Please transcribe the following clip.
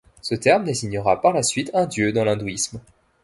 Ce terme désignera par la suite un dieu dans l'hindouisme.